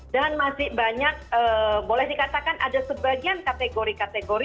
masih banyak boleh dikatakan ada sebagian kategori kategori